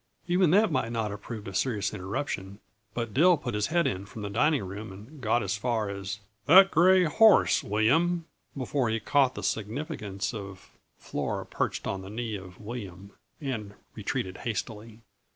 Even that might not have proved a serious interruption; but Dill put his head in from the dining room and got as far as "That gray horse, William " before he caught the significance of Flora perched on the knee of "William" and retreated hastily.